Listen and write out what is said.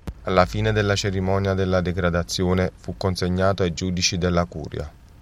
Alla fine della cerimonia della degradazione fu consegnato ai giudici della curia.